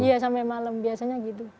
iya sampai malam biasanya gitu